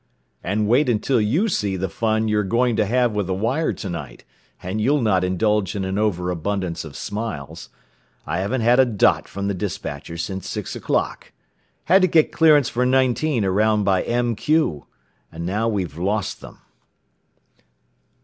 "And wait until you see the fun you are going to have with the wire to night, and you'll not indulge in an over abundance of smiles. I haven't had a dot from the despatcher since six o'clock. Had to get clearance for Nineteen around by MQ, and now we've lost them."